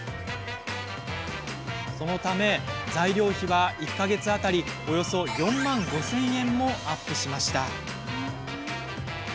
そのため、材料費は１か月当たりおよそ４万５０００円もアップしました。